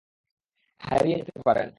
হারিয়ে যেতে পারেন।